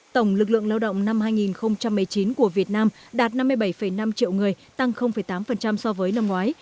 tổng lực lượng lao động năm hai nghìn một mươi chín của việt nam đạt năm mươi bảy năm triệu người tăng tám so với năm ngoái